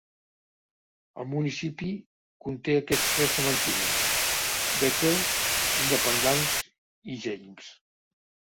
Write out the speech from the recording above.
El municipi conté aquests tres cementiris: Bethel, Independence i James.